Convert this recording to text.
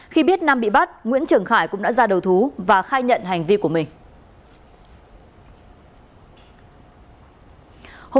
khi biết nam bị bắt nguyễn trường khải cũng đã ra đầu thú và khai nhận hành vi của mình